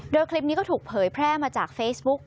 โดยคลิปนี้ก็ถูกเผยแพร่มาจากเฟซบุ๊ก